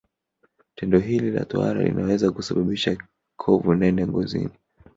Tendo hili la tohara linaweza kusababisha kovu nene ngozini